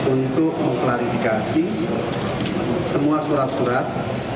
untuk mengklarifikasi semua surat surat